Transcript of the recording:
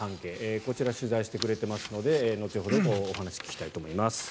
こちら取材してくれてますので後ほどお話を聞きたいと思います。